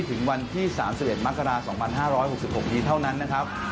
ถึงวันที่๓๑มสองพันห้าร้อยหกสิบหกนี้เท่านั้นนะครับ